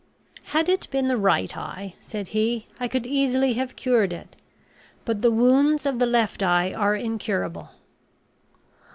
"Had it been the right eye," said he, "I could easily have cured it; but the wounds of the left eye are incurable."